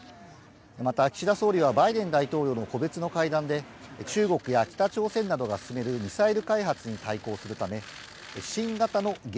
また岸田総理は、バイデン大統領との個別の会談で、中国や北朝鮮などが進めるミサイル開発に対抗するため、新型の迎